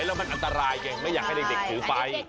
แล้วมันอันตรายไงไม่อยากให้เด็กถือไฟ